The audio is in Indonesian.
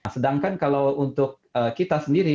sedangkan untuk kita sendiri